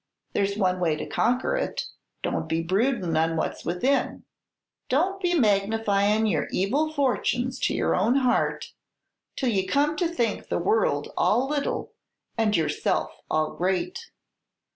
"There's one way to conquer it. Don't be broodin' on what's within. Don't be magnifyin' your evil fortunes to your own heart till you come to think the world all little, and yourself all great.